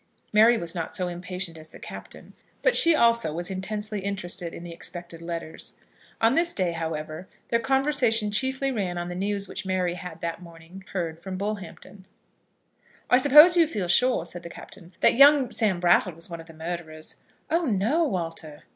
Mary was not so impatient as the Captain, but she also was intensely interested in the expected letters. On this day, however, their conversation chiefly ran on the news which Mary had that morning heard from Bullhampton. "I suppose you feel sure," said the Captain, "that young Sam Brattle was one of the murderers?" "Oh no, Walter."